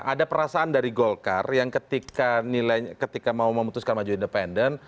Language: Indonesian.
ada perasaan dari golkar yang ketika mau memutuskan maju independen